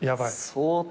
相当。